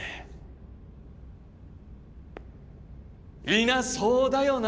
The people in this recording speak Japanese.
いなそうだよな？